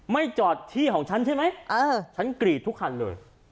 จอดที่ของฉันใช่ไหมฉันกรีดทุกคันเลย